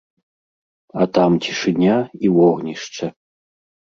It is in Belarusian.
А там цішыня і вогнішча.